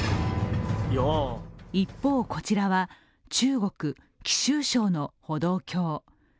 一方、こちらは中国貴州省の歩道橋。